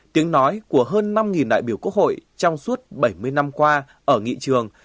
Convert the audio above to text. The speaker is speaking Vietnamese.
tiếng nói của hơn năm đại biểu quốc hội trong suốt bảy mươi năm qua ở nghị trường